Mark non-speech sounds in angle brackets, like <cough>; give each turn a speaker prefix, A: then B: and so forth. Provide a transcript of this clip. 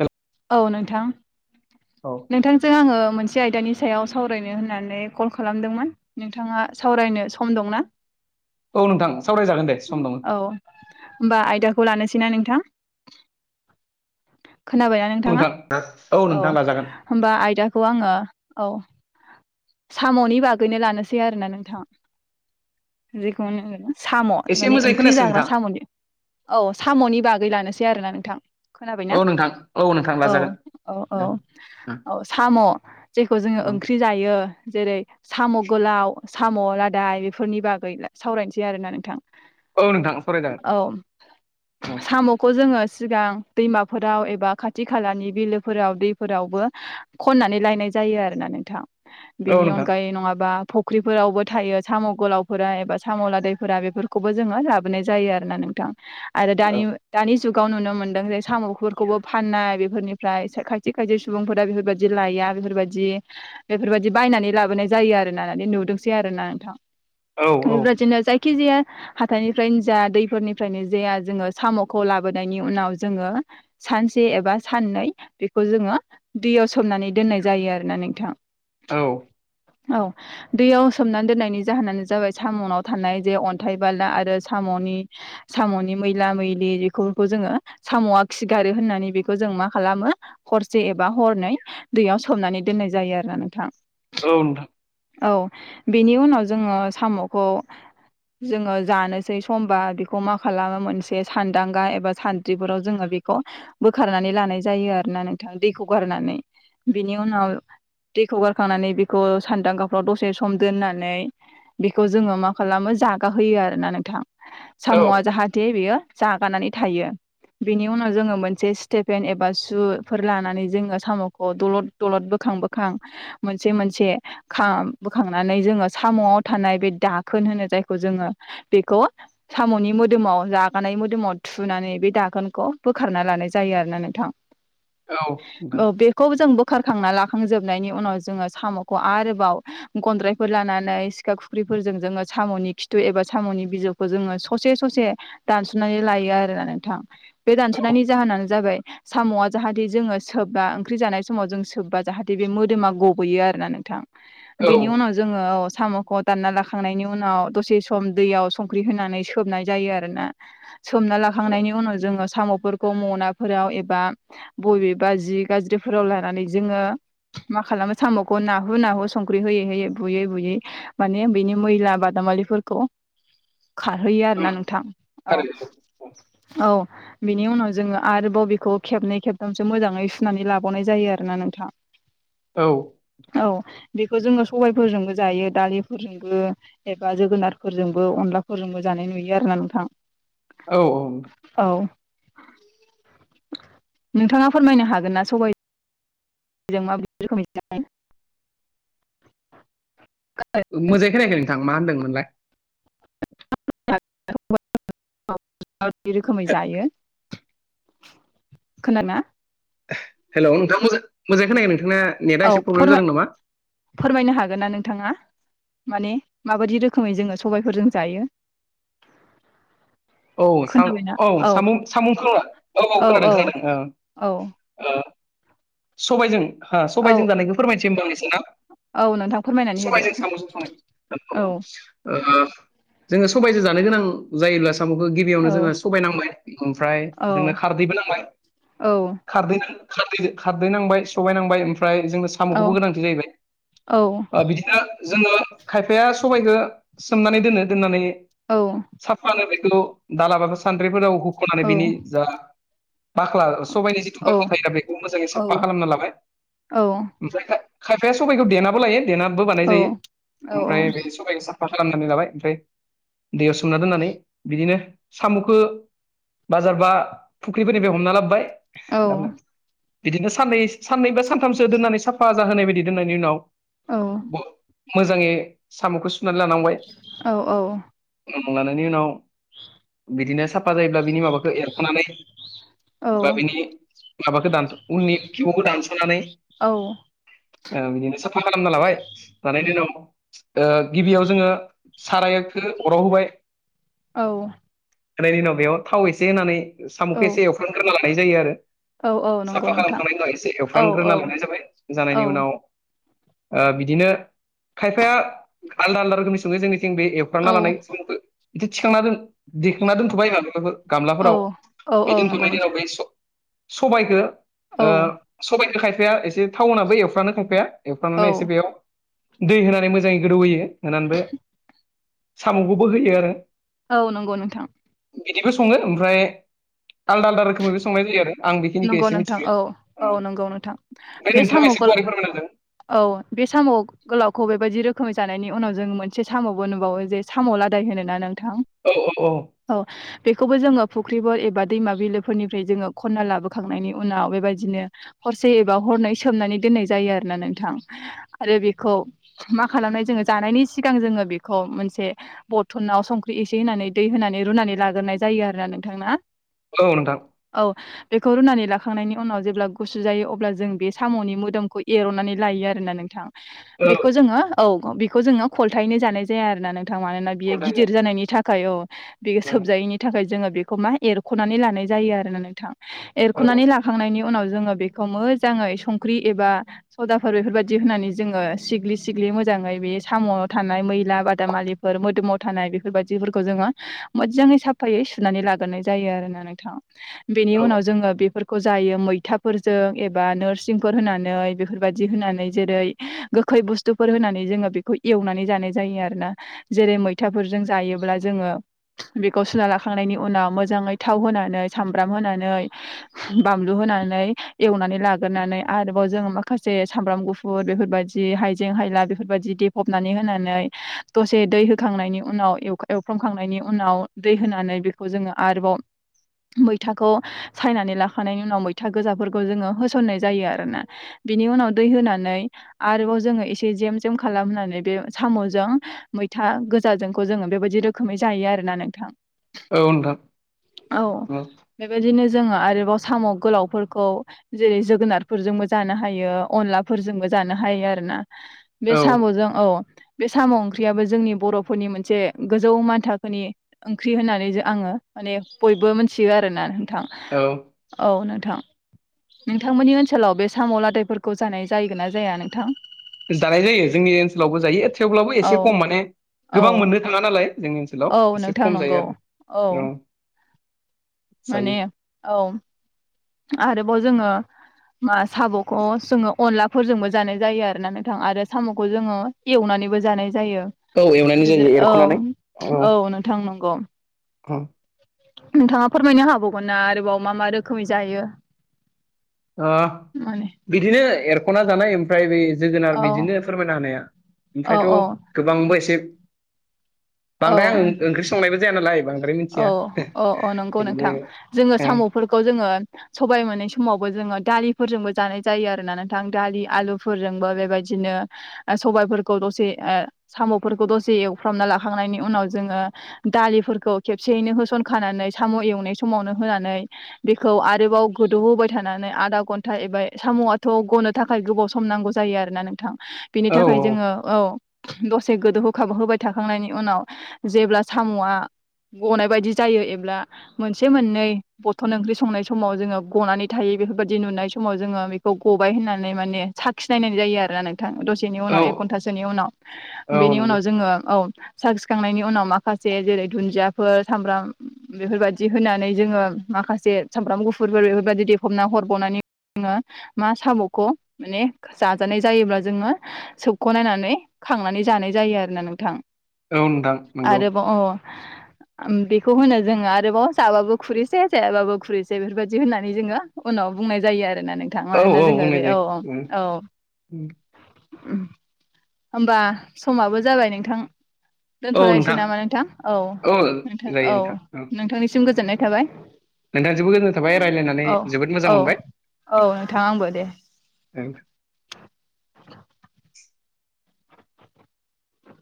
A: हेल'
B: औ नोंथां
A: औ
B: नोंथांजों आङो मोनसे आयदानि सायाव सावरायनो होननानै कल खालामदोंमोन नोंथाङा सावरायनो सम दंना?
A: औ नोंथां सावरायजागोन दे सम दङ।
B: खौ लानोसैना नोंथां खोनाबाय। नोंथाङा
A: नोंथां
B: औ
A: नोंथां लाजागोन
B: होनबा आयदाखौ आंङो औ। सामनि बागैनो लानोसै आरो ना नोंथां जेखौ जोंङो। साम
A: एसे
B: माने
A: मोजाङै
B: ओंख्रि
A: खोनायासै
B: जाग्रा
A: नोंथां
B: सामनि औ सामनि बागै लानोसै आरोना नोंथां खोनाबायना
A: औ नोंथां। नोंथां
B: औ
A: लाजागोन
B: औ औ औ साम जेखौ जोंङो ओंख्रि जायो। जेरै साम गोलाव साम लादाय बेफोरनि बागै सावरायनोसै आरोना नोंथां।
A: औ नोंथां सावरायजागोन
B: औ
A: औ
B: सामखौ जोंङो। सिगां दैमाफोराव एबा खाथि खालानि बिलोफोराव दैफोरावबो खननानै लायनाय जायो आरोना नोंथां
A: औ
B: बेनि
A: नोंथां
B: अनगायै नङाबा फुख्रिफोरावबो थायो साम गोलावफोरा एबा साम लादायफोरा बेफोरखौबो जोंङो लाबोनाय जायो आरो ना नों नोंथां आरो
A: औ
B: दानि दानि जुगाव नुनो मोन्दों जे सामफोरखौबो फाननाय बेफोरनिफ्राय खायसे खायसे सुबुंफोरा बेफोरबायदि लायो बेफोरबायदि बेफोरबायदि बिदि बायनानै लाबोनाय जायो आरोना नुदोंसै आरोना नोंथां।
A: औ औ
B: बेबादिनो जाय जाखिजाया हाथाइनिफ्रायनो जाया दैफोरनिफ्रायनो जाया जोंङो सामखौ लाबोनायनि उनाव जोंङो सानसे एबा साननै बेखौ जोंङो दैयाव सोमनानै दोननाय जायो आरोना नोंथां।
A: औ।
B: औ दैयाव सोमनानै दोननायनि जाहोनानो जाबाय सामनाव थानाय जे अन्थाइ बाला आरो साम अनि सामनि मैला मैलि बेफोरखौ जोंङो सामआ खिगारो होननानै बेखौ जों मा मा खालामो हरसे एबा हरनै दैयाव सोमनानै दोननाय जायो आरो नोंथां।
A: औ नोंथां।
B: औ बेनि उनाव जोंङो सामखौ जोंङो जानोसै समबा बेखौ मा खालामो मोनसे सानदांगा एबा सानद्रिफोराव जोंङो बेखौ बोखारनानै लानाय जायो आरोना नोंथां दैखौ गारनानै। बिनि उनाव दैखौ गारखांनानै बेखौ सान्दां गाफ्राव दसे सम दोननानै बेखौ जोंङो मा खालामो जागा होयो आरोना नोंथां
A: औ
B: सामआ जाहाथे बेयो जागानानै थायो। बेनि उनाव जोंङो मोनसे स्टेफेन एबा सुफोर लानानै जोंङो सामखौ दलद दलद बोखां खां बोखां मोनसे मोनसे बोखांनानै जोंङो सामआव थानाय बे दाखोन होनो जायखौ जोंङो बेखौ सामनि मोदोमाव जागानाय मोदोमाव थुनानै बे दागोनखौ बोखारना लानाय जायो आरोना नोंथां।
A: औ नोंथां
B: औ बेखौ जों बोखारखांना लाखांजोबनायनि उनाव जोंङो सामखौआरोबाव गनद्रायफोर लानानै सिखा खुख्रिफोरजों जोंङो सामनि खिुथु एबा सामनि बिजौखौ जोंङो ससे ससे दानसनानै लायो आरोना नोंथां। बे दानसनायनि जाहोनानो जाबाय सामआ जाहाथे जोंङो सोबबा ओंख्रि जानाय समाव जों सोबबा जाहाथे बे मोदोमा गब गयो आरोना नोंथां
A: औ
B: बेनि उनाव जोंङो। सामखौ दानना लाखांनायनि उनाव दसे सम दैयाव संख्रि होनानै सोबनाय जायो आरोना। सोमना लाखांनायनि उनाव जोंङो सामफोरखौ माफोराव एबा बबेबा जि गाज्रिफोराव लानानै जोंङो मा खालामो सामखौ नाहु नाहु संख्रि होयै होयै बुयै बुयै माने बिनि मैला बादामालिफोरखौ खारहैयो आरोना नोंथां औ
A: थारैनो
B: औ। बिनि उनाव जोंङो आरोबाव बेखौ खेबनै खेबथामसो मोजाङै सुनानै लाबावनाय जायो आरोना नोंथां।
A: औ
B: औ। बेखौ जोंङो सबायफोरजोंबो जायो दालिफोरजोंबो एबा जोगोनारफोरजोंबो अनलाफोरजोंबो जायो। जानाय नुयो आरोना नोंथां।
A: औ औ।
B: औ नोंथाङा फोरमायनो हागोन ना सबाय जों माबायदि रोखोम जायो?
A: मोजाङै खोनायखै नोंथां मा होनदोंमोनलाय
B: <unintelligible> रोखोमै जायो खोना ना
A: हेल नोंथां मोजां मोजाङै खोनायाखै नोंथाङना नेटआ
B: औ
A: एसे प्रब्लेम
B: फोरमाय
A: जादों नामा?
B: फोरमायनो हागोन ना नोंथाङा माने माबायदि रोखोमै जोङो सबायफोरजों जायो
A: औ सा औ सामुख सामुखखौहाय औ-औ
B: औ
A: खोनादों
B: औ
A: खोनादों ओ‌
B: औ
A: ओ। सबायजों हा
B: औ
A: सबायजों जानायखौ फोरमायनोसै होनबा आं एसे ना
B: औ नोंथां फोरमायनानै होदो
A: सबायजों सामुजों संनाय
B: औ
A: <unintelligible> ओ जोङो सबायजो जानो गोनां जायोब्लासो सामुखौ
B: औ
A: गिबियावनो जोङो सबाय नांबाय ओमफ्राय
B: औ
A: जोंनो खारदैबो नांबाय
B: औ
A: खारदै-खारदै-खारदै नांबाय सबाय नांबाय ओमफ्राय ओमफ्राय जोंङो
B: औ
A: सामुखौबो गोनांथि जाहैबाय
B: औ
A: ओ‌बिदिनो जोङो खायफाया सबायखो सोमनानै दोनो दोननानै साफानो बेखौ दालाबा सान्द्रिफोराव हु खनानै बिनि
B: औ
A: जा बाख्ला सबायनि जिथु बाख्ला थायो बेखौ मोजाङै साफा
B: औ
A: खालामना लाबाय
B: औ
A: ओमफ्राय खायफाया सबायखौ देेनाबो लायो देेनाबो बानाय जायो ओमफ्राय बे सबाय सा फा खालामनानै लाबाय ओमफ्राय दैयाव सोमना दोननानै बिदिनो सामुखौ बाजार बा फुख्रिफोरनि बे हमना लाबोबाय बिदिनो साननै साननै बा सानथामसो दोननानै साफा जाहोनाय बायदि दोननायनि उनाव
B: औ।
A: ब- मोजाङै सामुखौ सुनानै लानांबाय उम लानायनि उनाव बिदिनो साफा जायोब्ला बिनि माबाखौ एरखानानै बा
B: औ-औ-औ-औ-औ-औ-औ-औ-औ-औ-औ-औ
A: बिनि माबाखौ दानथ उननि खिबुखौ दानसनानै ओ‌ बिदिनो सा खालामना लाबाय लानायनि उनाव ओ गिबियाव जोङो सारायखो अराव होबाय
B: औ।
A: होनायनि उनाव बेयाव थाव एसे होनानै सामुखौ एसे एवफरग्रोना लानाय जायो आरो
B: नंगौ
A: साफा
B: नोंथां
A: खालामखांनायनि उनाव एसे एवफ्रामग्रोना लानाय जाबाय जानायनि उनाव ओ बिदिनो खायफाया आलदा आलदा रोखोमनि सङो जोंनि थिं बे एवफ्रामना लानाय
B: औ-औ-औ-औ-औ-औ
A: सामुखौ इदि थिखांना दोन दिखांना दोनथबाय माबाफोर गामलाफोराव बे
B: नंगौ
A: दोन्थनायनि दिनाव
B: नोंथां
A: बे स सबायखौ ओ सबायखौ खायफाया एसे टाउ होनाबो एवफ्रामो खायफाया एवफ्रामनानै
B: औ-औ-औ
A: एसे बेयाव दै होनानै मोजाङै गोदौ होयो होनानै बे सामुखौबो होयो आरो
B: नंगौ नोंथां
A: बिदिबो संङो ओमफ्राय आलदा आलदा रोखोमैबो संनाय जायो आरो आं बेखिनिखौ
B: नंगौ
A: एसे मिथि
B: नोंथां औ-औ नंगौ नोंथां बे
A: नोंथाङा एसे
B: सामुखौ
A: गुवारै फोरमायना होदों
B: औ बे साम गोलावखौ बे बायदि रोखोमै जानायनि उनाव जों मोनसे सामावबो नुबावो जे साम लादाय होनो ना नों थां
A: औ औ
B: औ बेखौबो जोङो फुख्रिफोर एबा दैमा बिलो फोरनिफ्राय जोङो खन्ना लाबोखांनायनि उनाव बेबायदिनो हरसे एबा हरनै सोमनानै दोननाय जायो आरो ना नोंथां आरो बेखौ मा खालामनाय जोङो जानायनि सिगां जोङो बेखौ मोनसे बरथनाव संख्रि एसे होनानै दै होनानै रुनानै लाग्रोनाय जायो आरो ना नोंथां ना
A: औ नोंथां
B: औ। बेखौ रुनानै लाखांनायनि उनाव जेब्ला गुसु जायो अब्ला जों बे सामनि मोदोमखौ एरननानै लायो आरोना नोंथां
A: औ
B: बेखौ जोङो औ बेखौ जोङो खलथायैनो जानाय जाया आरोना नों थां मानोना बियो
A: गथायनाय
B: गिदिर जानायनि थाखाय औ बे सोबजायैनि थाखाय जोङो बेखौ मा एरखनानै लानाय जायो आरोना नोंथां
A: औ
B: एरखनानै लाखांनायनि उनाव जो बेखौ मोजाङै संख्रि एबा सदाफोर बेफोरबायदि होननानै जोङो सिग्लि सिग्लि मोजां जोङो बे साम'आवथानाय मैला बादामालिफोर मोदोमाव थानाय बेफोरबायदिफोरखौ जोङो मोजां साफायै सुनानै लाग्रोनाय जायो आरोना नोंथां बेनि
A: औ
B: उनाव जोङो बेफोर खौ जायो मैथाफोरजों एबा नोरसिंफोर होनानै बेफोरबायदि होनानै जेरै गो खै बुस्थुफोर होनानै जोङो बेखौ एवनानै जानाय जायो आरो ना जेरै मैथाफोरजों जायोब्ला जोङो बेखौ सुना लाखांनायनि उनाव मोजाङै थाव होनानै सामब्राम होनानै बामलु होनानै एवनानै लागोरोनानै आरोबाव जोङो माखासे समब्राम गुुर बेफोरबायदि हायजें हायला बेफोरबायदि देफबनानै होनानै दसे दै होखांनायनि उनाव एव-एवफ्रामखांनायनि उनाव दै होनानै बेखौ जोङो आरोबाव मैथाखौ सायनानै लाखांनियनायनि उनाव मैथा गोजाफोरखौ जोङो होसननाय जायो आरोना बिनि उनाव दै होनानै आरोबाव जोङो एसे जेम जेम खालामानै बे साम'जों मैथा गोजाजोंखौ जोङो बेबायदि रोखोमै जायो आरो ना नोंथां
A: औ नोंथां औ
B: बेबायदिनो जोङो आरोबाव साम' गोलावफोरखौ जेरै जोगोनारफोरजोंबो जानो हायो अनला फोरजोंबो जानो हायो आरो ना बे
A: औ
B: साम'जों औ बे साम' ओंख्रियाबो जोंनि बर'फोरनि मोनसे गोजौ मानथोनि ओंख्रि होननानै जो आङो माने बयबो मिथियो आरोना नोंथां
A: औ
B: औ नों थां नोंथांमोननि ओनसोलाव बे साम' लादायफोरखौ जानाय जायोगोन ना जाया नोंथां
A: जानाय जायो जोंनि ओनसोलावबो जायो थेवब्लाबो
B: औ
A: एसे खम माने
B: औ
A: गोबां मोननो थाङा नालाय जोंनि ओनसोलाव
B: औ
A: एसे
B: नोंथां
A: खम जायो
B: नंगौ
A: आरो औ
B: माने
A: जायो
B: औ आरोबाव जोङो मा साम'खौ जोङो अनलाफोरजोंबो जानाय जायो आरो ना नोंथां आरो साम'खौ जोङो एवनानैबो जानाय जायो
A: औ एवनानै जायो
B: औ
A: एरख'नानै
B: औ नोंथां नंगौ
A: औ
B: नोंथाङा फोरमायनो हाबावगोनना आरोबाव मा मा रोखोमै जायो
A: ओ
B: माने
A: बिदिनो एरख'ना जानाय ओमफ्राय बे जोगोनार
B: औ
A: बिदिनो फोरमायना होनाया
B: औ
A: ओमफ्रायथ'
B: औ
A: गोबांबो एसे बांद्राय
B: औ
A: आं ओंख्रि संनायबो जाया नालाय बांद्राय
B: औ
A: मिथिया
B: अ अ नंगौ नोंथां
A: ओरैनो
B: जोङो साम'फोरखौ जोङो सबाय मोनै समाव जोङो दालि फोरजोंबो जानाय जायो आरोना नोंथां दालि आलु फोरजोंबो बेबायदिनो ओ सबाय फोरखौ दसे ओ सामफोरखौ दसे एउफ्रामना लाखांनायनि उनाव जोङो दालि फोरखौ खेबसेयैनो होसनखानानै साम' एवनाय समावनो होनानै बेखौ आरोबाव गोदौहोबाय थानानै आदा घन्टा एबा साम'आथ' गनो थाखाय गोबाव सम नांगौ जायो आरोना नोंथां बिनि
A: औ
B: थाखाय जोङो औ दसे गोदौ होखाब होबाय थाखांनायनि उनाव जेब्ला साम'आ गनाय बायदि जायो एब्ला मोनसे मोननै बथल ओंख्रि संनाय समाव जोङो गनानै थायो बेफोरबायाददि नुनाय समाव जोङो बेखौ गबाय होन्नानै माने साखिनायनाय जायो आरोना नों थां दसेनि
A: औ
B: उनाव एक घन्टासोनि उनाव
A: औ
B: बेनि
A: नंगौ
B: उनाव जोङो औ साखिखांनायनि उनाव माखासे जेरै दुन्दियाफोर सामब्राम बेफोरबायादि होनानै जोङो माखासे सामब्राम गुफुरफोर बेफोरबायदि देफबना हरबावनानै जोङो मा साम'खौ माने जाजानाय जायोब्ला जोङो सोबख'नायनानै खांनानै जानाय जायो आरोना नोंथां
A: औ नोंथां नंगौ
B: आरोबाव <inaudible> बेखौ होनो जोङो आरोबाव जाबाबो खुरैसेै जायाबाबो खुरैसेै बेफोरबायदि होननानै जोङो उनाव बुंनाय जायो आरोना नोंथां
A: औ
B: मानोना जोङो
A: बुंनाय
B: बे औ
A: जायो उम
B: औ औ होमबा समाबो जाबाय नोंथां दोनथ' लायनोसै नामा नोंथां औ नोंथां
A: जायो
B: औ नोंथांनिसिम गोजोननाय थाबाय
A: नोंथाङा जोबोद गोजोन्नाय थाबाय रायज्लायनानै
B: औ
A: जोबोद मोजां
B: औ
A: मोनबाय
B: औ नोंथां आंबो दे
A: नोंथां
B: <inaudible>